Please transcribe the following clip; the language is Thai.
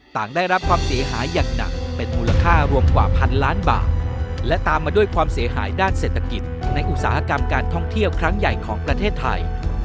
ต่างได้รับความเสียหายอย่างหนักเป็นมูลค่ารวมกว่าพันล้านบาทและตามมาด้วยความเสียหายด้านเศรษฐกิจในอุตสาหกรรมการท่องเที่ยวครั้งใหญ่ของประเทศไทย